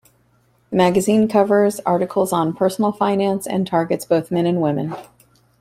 The magazine covers articles on personal finance and targets both men and women.